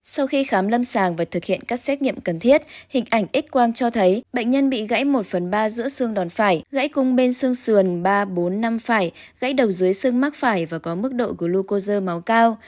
sau khi khám lâm sàng và thực hiện các xét nghiệm cần thiết hình ảnh ích quang cho thấy bệnh nhân bị gãy một phần ba giữa xương đòn phải gãy cung bên xương xườn ba bốn năm phải gãy đầu dưới xương mắc phải và có mức độ glucosa máu cao